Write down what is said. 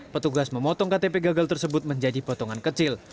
petugas memotong ktp gagal tersebut menjadi potongan kecil